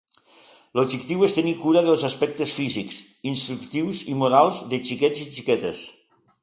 L’objectiu és tenir cura dels aspectes físics, instructius i morals de xiquets i xiquetes.